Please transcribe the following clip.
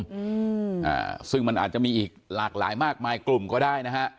อืมอ่าซึ่งมันอาจจะมีอีกหลากหลายมากมายกลุ่มก็ได้นะฮะ